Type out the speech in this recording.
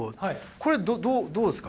これ、どうですか？